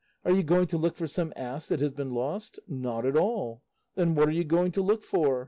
Are you going to look for some ass that has been lost? Not at all. Then what are you going to look for?